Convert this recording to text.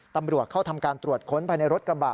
ตำรวจเข้าทำการตรวจค้นภายในรถกระบะ